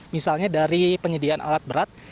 misalnya dari penyediaan alat berat